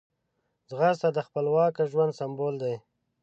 ځغاسته د خپلواک ژوند سمبول دی